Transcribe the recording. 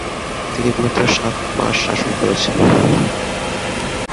তিনি মাত্র সাত মাস শাসন করেছেন।